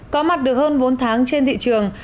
có mặt được hơn bốn tháng trên thị trường